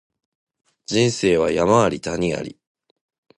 人生は山あり谷あり